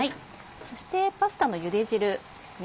そしてパスタのゆで汁ですね。